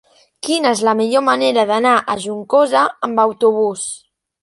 Quina és la millor manera d'anar a Juncosa amb autobús?